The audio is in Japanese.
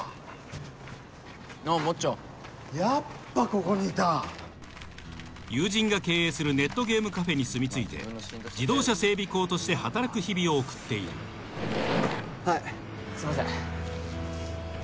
ああもっちょやっぱここにいた友人が経営するネットゲームカフェに住み着いて自動車整備工として働く日々を送っているはいすいません